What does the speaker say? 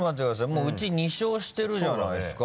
もうウチ２勝してるじゃないですか。